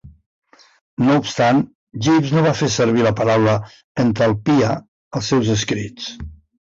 No obstant, Gibbs no va fer servir la paraula "entalpia" als seus escrits.